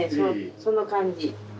その感じ。